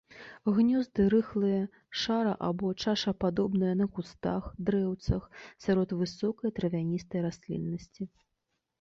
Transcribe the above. Гнёзды рыхлыя, шара- або чашападобныя на кустах, дрэўцах, сярод высокай травяністай расліннасці.